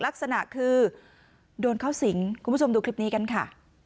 ลักษณะคือโดนเข้าสิงคุณผู้ชมดูคลิปนี้กันค่ะ